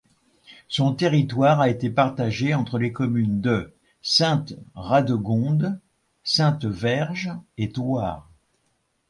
Son territoire a été partagé entre les communes de Sainte-Radegonde, Sainte-Verge et Thouars.